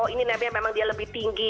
ini nabnya memang dia lebih tinggi